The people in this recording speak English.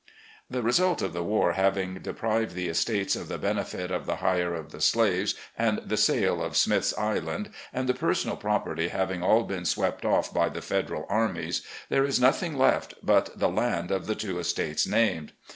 "The result of the war having deprived the estates of the benefit of the hire of the slaves and the sale of Smith's Island, and the personal property having all been swept off by the Federal armies, there is nothing left but the land of the two estates named.